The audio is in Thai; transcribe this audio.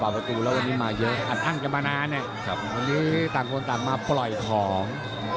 ประตูแล้ววันนี้มาเยอะอัดอั้นกันมานานวันนี้ต่างคนต่างมาปล่อยของ